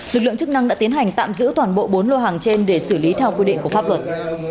lực lượng chức năng đã tiến hành tạm giữ toàn bộ bốn lô hàng trên để xử lý theo quy định của pháp luật